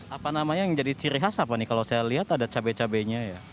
apa namanya yang jadi ciri khas apa nih kalau saya lihat ada cabai cabainya ya